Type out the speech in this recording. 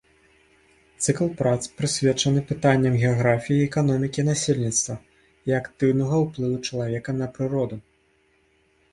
Цыкл прац прысвечаны пытанням геаграфіі і эканомікі насельніцтва і актыўнага ўплыву чалавека на прыроду.